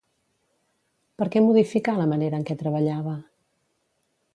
Per què modificà la manera en què treballava?